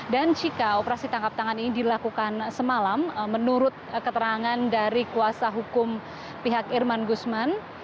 dan jika operasi tangkap tangan ini dilakukan semalam menurut keterangan dari kuasa hukum pihak irman guzman